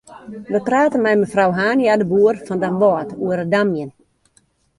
We prate mei mefrou Hania-de Boer fan Damwâld oer it damjen.